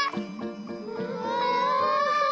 うわ！